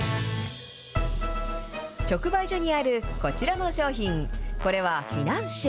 直売所にある、こちらの商品、これはフィナンシェ。